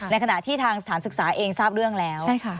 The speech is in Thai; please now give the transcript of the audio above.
ในขณะที่ทางสถานศึกษาเองทราบเรื่องแล้ว